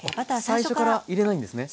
最初から入れないんですね。